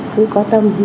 cứ có tâm